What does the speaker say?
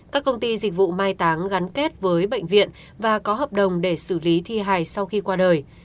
các công ty dịch vụ mai táng gắn kết với bệnh viện và có hợp đồng để xử lý thi hài sau khi qua đời